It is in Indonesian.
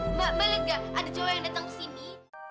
mbak balik gak ada cowok yang datang kesini